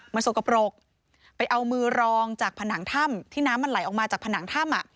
มันสกปรกไปเอามือรองจากผนังถ้ำที่น้ำมันไหลออกมาจากผนังถ้ำ